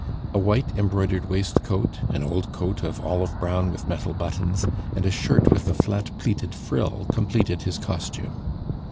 A white embroidered waistcoat, an old coat of olive brown with metal buttons, and a shirt with a flat pleated frill completed his costume.